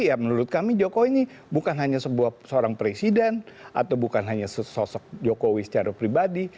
ya menurut kami jokowi ini bukan hanya seorang presiden atau bukan hanya sosok jokowi secara pribadi